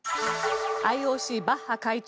ＩＯＣ、バッハ会長